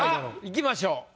いきましょう。